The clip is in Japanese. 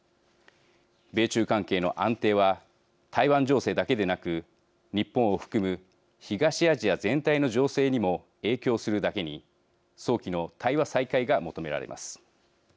米中関係の安定は台湾情勢だけでなく日本を含む東アジア全体の情勢にも影響するだけに早期の対話再開が求められます。